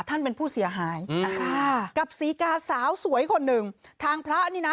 ท่านเป็นผู้เสียหายอ่ะค่ะกับศรีกาสาวสวยคนหนึ่งทางพระนี่นะ